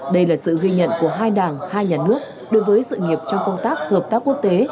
đây là sự ghi nhận của hai đảng hai nhà nước đối với sự nghiệp trong công tác hợp tác quốc tế